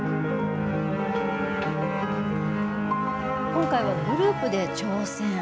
今回はグループで挑戦。